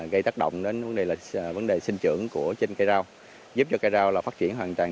gây tác động đến vấn đề sinh trưởng của trên cây rau giúp cho cây rau là phát triển hoàn toàn